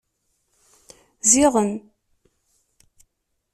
Ziɣen.